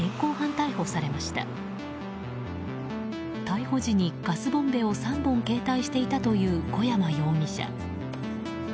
逮捕時に、ガスボンベを３本携帯していたという小山容疑者。